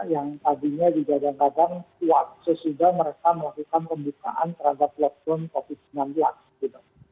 yang tadinya di jadwal jadwal kuat sesudah mereka melakukan pembukaan terhadap lockdown covid sembilan belas